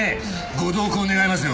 ご同行願いますよ。